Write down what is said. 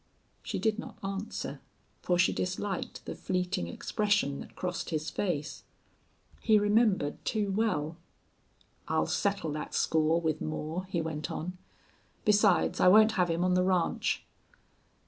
She did not answer, for she disliked the fleeting expression that crossed his face. He remembered too well. "I'll settle that score with Moore," he went on. "Besides, I won't have him on the ranch."